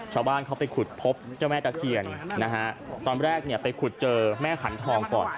ชาวบ้านเขาไปขุดพบเจ้าแม่ตะเคียนนะฮะตอนแรกเนี่ยไปขุดเจอแม่ขันทองก่อน